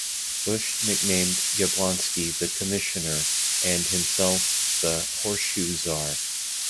Bush nicknamed Yablonski "The Commissioner" and himself the "Horseshoe Czar".